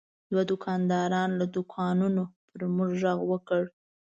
دوه دوکاندارانو له دوکانونو پر موږ غږ وکړ.